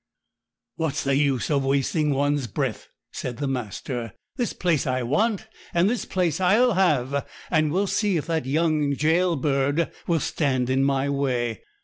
'What's the use of wasting one's breath?' said the master; 'this place I want, and this place I'll have; and we'll see if this young jail bird will stand in my way.